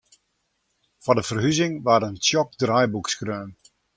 Foar de ferhuzing waard in tsjok draaiboek skreaun.